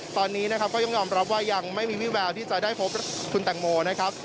ตอนนี้นะครับก็ต้องยอมรับว่ายังไม่มีวิแววที่จะได้พบคุณแตงโมนะครับ